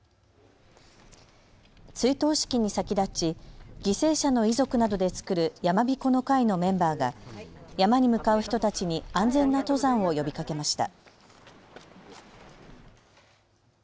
追悼式に先立ち犠牲者の遺族などで作る山びこの会のメンバーが山に向かう人たちに安全な登山を呼びかけました。